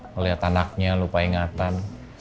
melihat anaknya lupa ingatan